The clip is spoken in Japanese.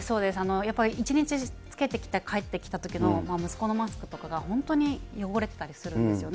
やっぱり１日着けて帰って来たときの息子のマスクとか、本当に汚れてたりするんですよね。